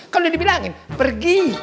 kalau udah dibilangin pergi